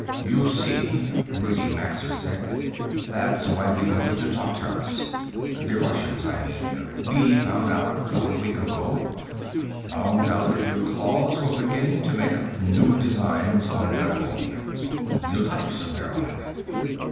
"You see," Rudi Maxer said, "that was why we wanted to talk terms. The Russians, I mean. We found out about a week ago. Found out that your claws were beginning to make up new designs on their own. New types of their own.